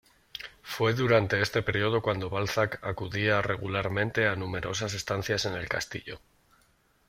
Fue durante este período cuando Balzac acudía regularmente a numerosas estancias en el castillo.